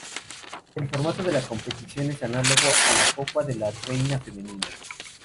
El formato de la competición es análogo a la Copa de La Reina femenina.